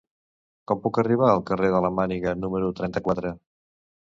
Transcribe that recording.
Com puc arribar al carrer de la Manigua número trenta-quatre?